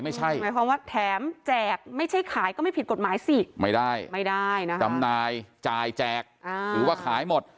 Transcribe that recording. ไม่ใช่หมายความว่าแถมแจกไม่ใช่ขายก็ไม่ผิดกฎหมายสิไม่ได้ไม่ได้นะจำหน่ายจ่ายแจกถือว่าขายหมด